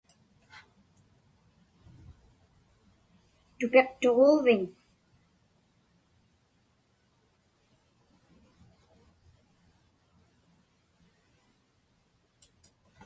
Tupiqtuġuuviñ?